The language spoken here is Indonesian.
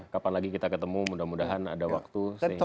kapan lagi kita ketemu mudah mudahan ada waktu